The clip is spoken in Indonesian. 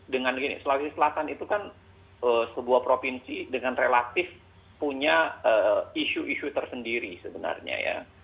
dengan gini sulawesi selatan itu kan sebuah provinsi dengan relatif punya isu isu tersendiri sebenarnya ya